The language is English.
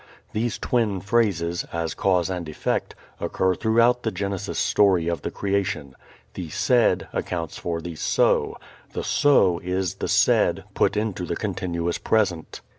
These twin phrases, as cause and effect, occur throughout the Genesis story of the creation. The said accounts for the so. The so is the said put into the continuous present.